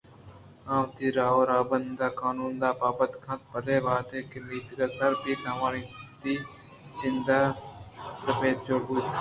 آوتی راہ ءُرَہبندءُقانود ءِ پابند اَنت بلئے وہدے کہ میتگ ءَ سر بنت آوانی وتی جند ءِرَہبند جوڑ بنت